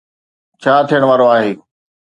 ڇا ٿيڻ وارو آهي؟